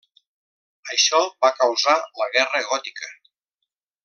Això va causar la Guerra Gòtica.